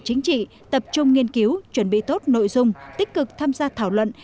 chính trị tập trung nghiên cứu chuẩn bị tốt nội dung tích cực tham gia thảo luận